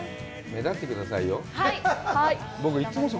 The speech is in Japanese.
目立ってくださいよ。